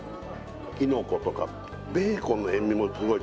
きのことかベーコンの塩味もすごい